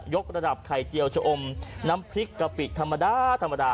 กระดับไข่เจียวชะอมน้ำพริกกะปิธรรมดาธรรมดา